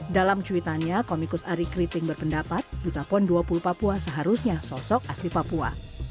dalam cuitannya komikus ari keriting berpendapat duta pon dua puluh papua seharusnya sosok asli papua